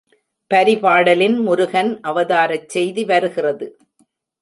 பரிபாடலின் முருகன் அவதாரச் செய்தி வருகிறது.